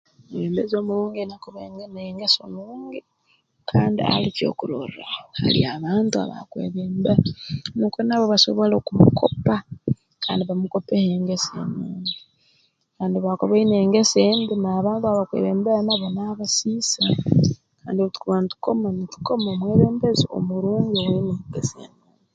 Omwebembezi omurungi aine kuba aine n'engeso nungi kandi ali kyokurorraaho hali abantu abaakwebembera nukwo nabo basobole okumukopa kandi bamukopeho engeso enungi kandi obu akuba aine engeso embi n'abantu abakwebembera nabo naabasiisa kandi obu tukuba ntukoma nitukoma omwebembezi omurungi owaine engeso enungi